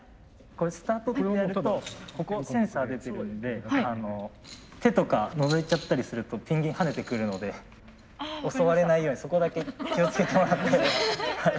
これスタートここセンサー出てるんで手とかのぞいちゃったりするとペンギン跳ねてくるので襲われないようにそこだけ気をつけてもらって。